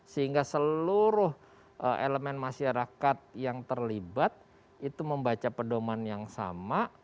sehingga seluruh elemen masyarakat yang terlibat itu membaca pedoman yang sama